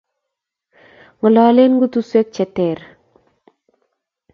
ng'ololen koteswek che ter.